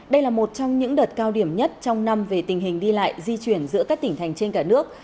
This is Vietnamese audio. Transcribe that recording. đây là một trong những đợt cao điểm nhất trong năm về tình hình đi lại di chuyển giữa các tỉnh thành trên cả nước